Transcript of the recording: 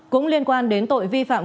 cũng liên quan đến tội vi phạm